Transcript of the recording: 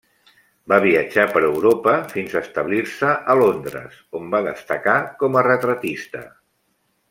Va viatjar per Europa fins a establir-se a Londres, on va destacar com a retratista.